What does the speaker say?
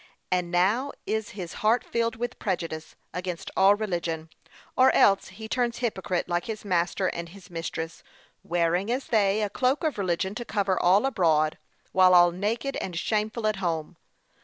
And now is his heart filled with prejudice against all religion, or else he turns hypocrite like his master and his mistress, wearing, as they, a cloak of religion to cover all abroad, while all naked and shameful at home.